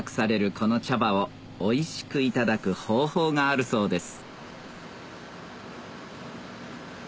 この茶葉をおいしくいただく方法があるそうです